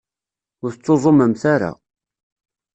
Ur tettuẓumemt ara.